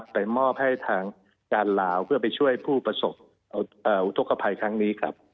ไปมอบให้ทางการลาวเพื่อไปช่วยผู้ประสบอุทธกภัยครั้งนี้ครับ